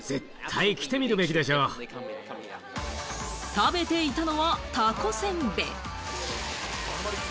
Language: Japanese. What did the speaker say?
食べていたのは、たこせんべい。